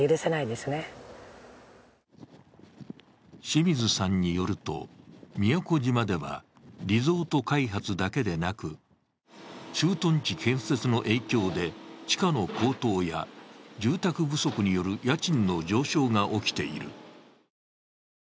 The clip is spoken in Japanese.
清水さんによると宮古島ではリゾート開発だけでなく駐屯地建設の影響で地価の高騰や、住宅不足による家賃の上昇が起きている。